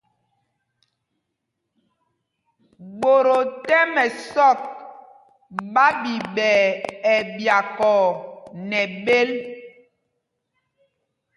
Ɓot o tɛ́m ɛsɔk ɓa ɓiɓɛɛ ɛɓyakɔɔ nɛ bēl.